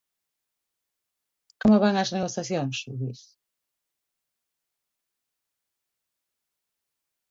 Como van as negociacións, Luís?